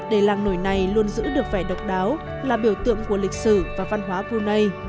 để làng nổi này luôn giữ được vẻ độc đáo là biểu tượng của lịch sử và văn hóa brunei